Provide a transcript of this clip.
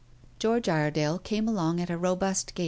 George Iredale came along at a robust gait.